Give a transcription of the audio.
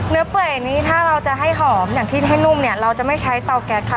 เปื่อยนี้ถ้าเราจะให้หอมอย่างที่ให้นุ่มเนี่ยเราจะไม่ใช้เตาแก๊สค่ะ